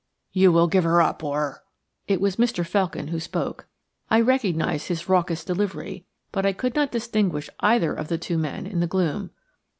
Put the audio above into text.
"You will give her up, or–" It was Mr. Felkin who spoke. I recognised his raucous delivery, but I could not distinguish either of the two men in the gloom.